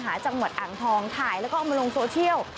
จังหวัดอ่างทองถ่ายแล้วก็เอามาลงโซเชียล